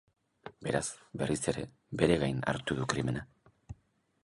Beraz, berriz ere bere gain hartu du krimena.